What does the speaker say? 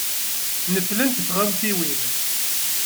Neflent tɣawsiwin.